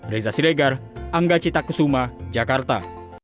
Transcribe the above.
reza siregar angga cita kesuma jakarta